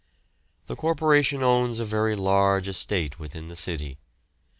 The Corporation owns a very large estate within the city.